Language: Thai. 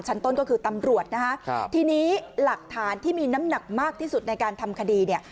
ชั้นต้นก็คือตำรวจทีนี้หลักฐานที่มีน้ำหนักมากที่สุดในการทำคดี